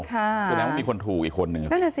แสดงว่ามีคนถูกอีกคนนึง